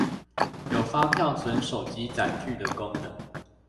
有發票存手機載具的功能